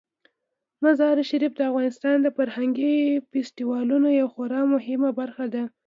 مزارشریف د افغانستان د فرهنګي فستیوالونو یوه خورا مهمه برخه ده.